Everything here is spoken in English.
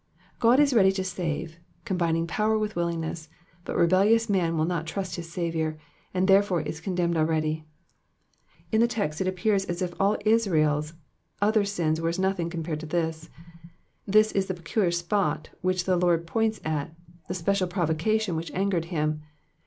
God is ready to save, combining power with willingness, but rebellious man will not trust his Saviour, and therefore is condemned already. In the text it appears as if all Israel's other sins were as nothing compared with this ; this is the peculiar spot which the Lord points at, the special provocation which angered him.